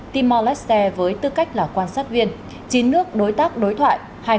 timor leste với tư cách là quan sát viên chín nước đối tác đối thoại